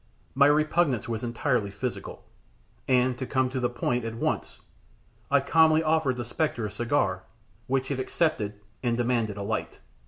My repugnance was entirely physical, and, to come to the point at once, I calmly offered the spectre a cigar, which it accepted, and demanded a light.